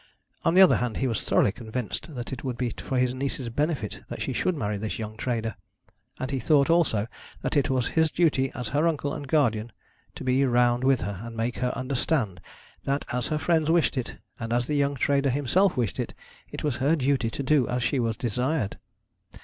On the other hand he was thoroughly convinced that it would be for his niece's benefit that she should marry this young trader; and he thought also that it was his duty as her uncle and guardian to be round with her, and make her understand, that as her friends wished it, and as the young trader himself wished it, it was her duty to do as she was desired.